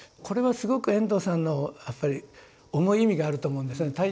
これはすごく遠藤さんのやっぱり重い意味があると思うんですね。